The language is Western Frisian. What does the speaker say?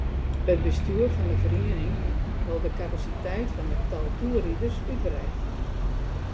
It bestjoer fan de feriening wol de kapasiteit fan it tal toerriders útwreidzje.